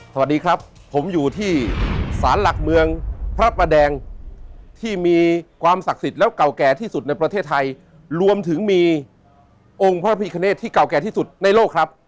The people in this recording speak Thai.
สวัสดีครับผมอยู่ที่สารหลักเมืองพระประแดงที่มีความศักดิ์สิทธิ์แล้วเก่าแก่ที่สุดในประเทศไทยรวมถึงมีองค์พระพิคเนตที่เก่าแก่ที่สุดในโลกครับ